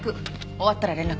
終わったら連絡。